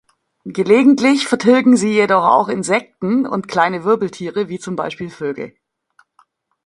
Gelegentlich vertilgen sie jedoch auch Insekten und kleine Wirbeltiere, wie zum Beispiel Vögel.